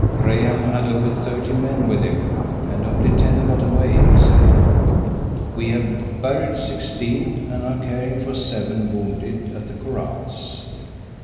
"Graham had over thirty men with him, and only ten got away," he said. "We have buried sixteen and are caring for seven wounded at the corrals.